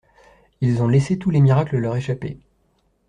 Ils ont laissé tous les miracles leur échapper.